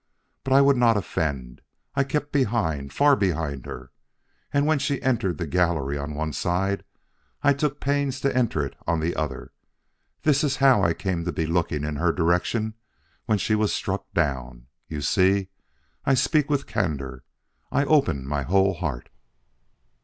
But I would not offend. I kept behind, far behind her, and when she entered the gallery on one side, I took pains to enter it on the other. This is how I came to be looking in her direction when she was struck down. You see, I speak with candor; I open my whole heart."